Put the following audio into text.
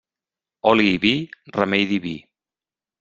Oli i vi, remei diví.